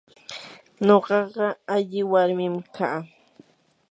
nuqaqa alli warmim kaa.